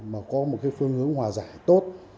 mà có một cái phương ứng hòa giải tốt